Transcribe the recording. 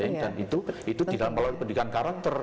dan itu tidak melalui pendidikan karakter